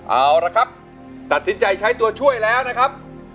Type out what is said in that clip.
เอาละครับตัดสินใจใช้ตัวช่วยแล้วนะครับ